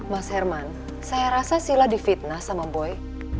mas herman saya rasa sila di fitnah sama boy